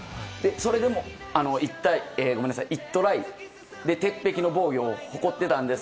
それでも１トライで鉄壁の防御を誇っていたんです。